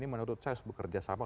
ini menurut saya harus bekerja sama